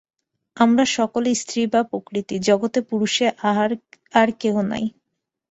আমরা সকলে স্ত্রী বা প্রকৃতি, জগতে পুরুষ আর কেহ নাই।